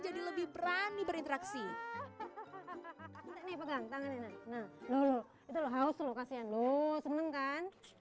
jadi lebih berani berinteraksi ini pegang tangan ini nah dulu itu haus lo kasian lu seneng kan